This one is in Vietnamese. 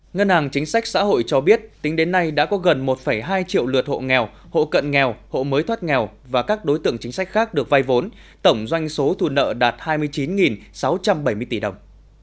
ngân hàng chính sách xã hội cho biết tính đến nay đã có gần một hai triệu lượt hộ nghèo hộ cận nghèo hộ mới thoát nghèo và các đối tượng chính sách khác được vay vốn tổng doanh số thu nợ đạt hai mươi chín sáu trăm bảy mươi tỷ đồng